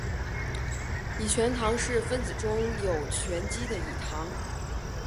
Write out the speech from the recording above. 己醛糖是分子中有醛基的己糖。